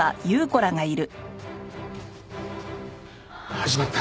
始まった。